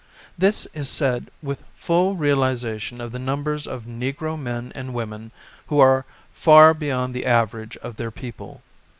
This is said with full realization of the num bers of negro men and women who are far beyond the average of their people.